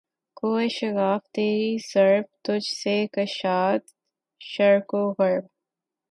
کوہ شگاف تیری ضرب تجھ سے کشاد شرق و غرب